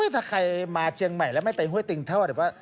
ถ้าใครมาเชียงใหม่แล้วไม่ไปห้วยตึงเท่า